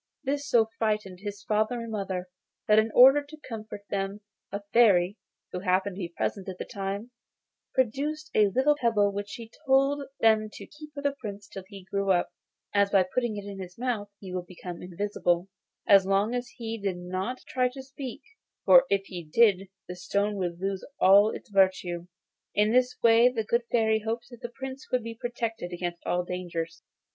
This so frightened his father and mother that in order to comfort them a Fairy, who happened to be present at the time, produced a little pebble which she told them to keep for the Prince till he grew up, as by putting it in his mouth he would become invisible, as long as he did not try to speak, for if he did the stone would lose all its virtue. In this way the good fairy hoped that the Prince would be protected against all dangers.